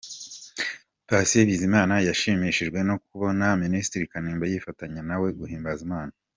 Patient Bizimana yashimishijwe no kubona Minisitiri Kanimba yifatanya na we guhimbaza Imana.